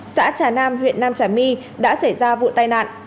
xã trà nam huyện nam trà my đã xảy ra vụ tai nạn